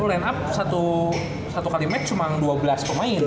lo line up satu kali match cuman dua belas pemain